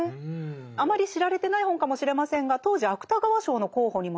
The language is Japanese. あまり知られてない本かもしれませんが当時芥川賞の候補にもなって。